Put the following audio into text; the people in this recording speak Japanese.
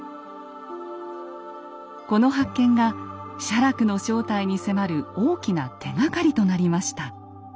この発見が写楽の正体に迫る大きな手がかりとなりました。